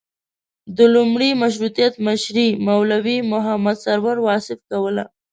د لومړي مشروطیت مشري مولوي محمد سرور واصف کوله.